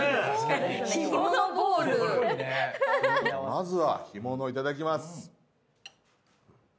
まずは干物いただきます。